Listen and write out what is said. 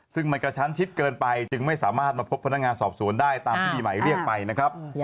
ซึ่งมันกระชั้นชิดเกินไปจึงไม่สามารถมาพบพนักงานสอบสวนได้ตามที่มีหมายเรียกไปนะครับ